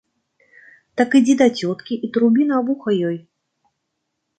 Так ідзі да цёткі і трубі на вуха ёй.